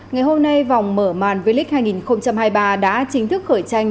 ngày hôm nay vòng mở màn v league hai nghìn hai mươi ba đã chính thức khởi tranh